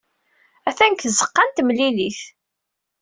Attan deg tzeɣɣa n temlilit.